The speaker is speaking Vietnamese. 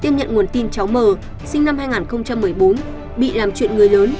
tiêm nhận nguồn tin cháu m sinh năm hai nghìn một mươi bốn bị làm chuyện người lớn